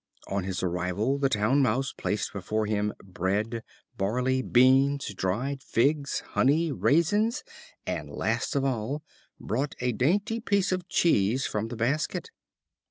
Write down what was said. On his arrival, the Town Mouse placed before him bread, barley, beans, dried figs, honey, raisins, and, last of all, brought a dainty piece of cheese from a basket.